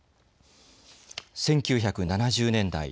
１９７０年代。